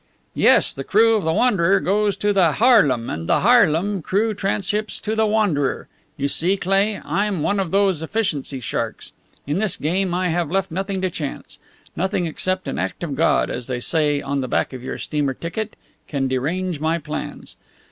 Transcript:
"Yes. The crew of the Wanderer goes to the Haarlem and the Haarlem crew transships to the Wanderer. You see, Cleigh, I'm one of those efficiency sharks. In this game I have left nothing to chance. Nothing except an act of God as they say on the back of your steamer ticket can derange my plans.